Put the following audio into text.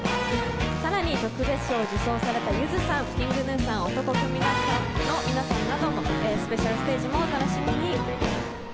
更に、特別賞を受賞されたゆずさんＫｉｎｇＧｎｕさん、男闘呼組の皆さんなどのスペシャルステージなどもお楽しみに。